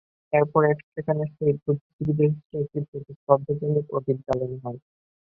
এরপর সেখানে শহীদ বুদ্ধিজীবীদের স্মৃতির প্রতি শ্রদ্ধা জানিয়ে প্রদীপ জ্বালানো হয়।